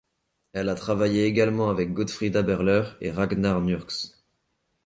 Elle a travaillé également avec Gottfried Haberler et Ragnar Nurkse.